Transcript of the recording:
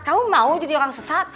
kamu mau jadi orang sesatu